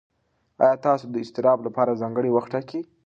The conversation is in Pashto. ایا تاسو د اضطراب لپاره ځانګړی وخت ټاکئ؟